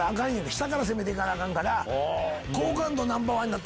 下から攻めて行かなアカンから。